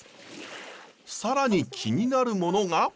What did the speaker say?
更に気になるものが。